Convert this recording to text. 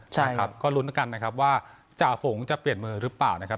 ใช่นะครับก็ลุ้นแล้วกันนะครับว่าจ่าฝงจะเปลี่ยนมือหรือเปล่านะครับ